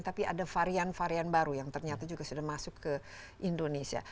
tapi ada varian varian baru yang ternyata juga sudah masuk ke indonesia